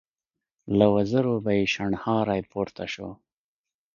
له وزرو به يې شڼهاری پورته شو.